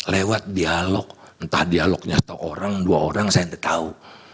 lewat dialog entah dialognya satu orang dua orang saya tidak tahu